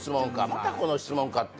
「またこの質問か」って。